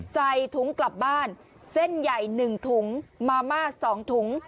ใส่ถุงกลับบ้านเส้นใหญ่๑ถุงมาม่า๒ถุง